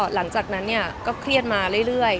หลังจากนั้นก็เครียดมาเรื่อย